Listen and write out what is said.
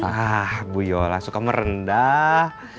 wah bu yola suka merendah